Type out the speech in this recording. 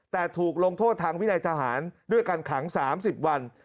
แต่ถูกลงโทษทางวินัยทหารด้วยการขัง๓๐วัน